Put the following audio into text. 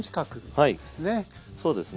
はいそうですね。